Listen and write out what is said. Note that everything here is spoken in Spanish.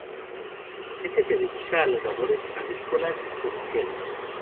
Su gente se dedica a las labores agrícolas y comerciales.